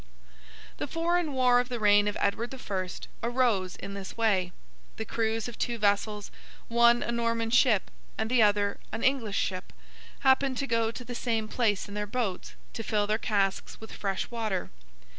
The foreign war of the reign of Edward the First arose in this way. The crews of two vessels, one a Norman ship, and the other an English ship, happened to go to the same place in their boats to fill their casks with fresh water.